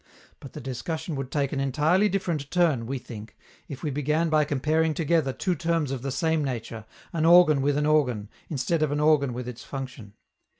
But the discussion would take an entirely different turn, we think, if we began by comparing together two terms of the same nature, an organ with an organ, instead of an organ with its function.